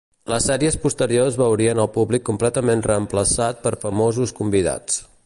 Les sèries posteriors veurien el públic completament reemplaçat per famosos convidats.